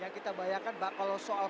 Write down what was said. yang kita bayangkan mbak kalau soal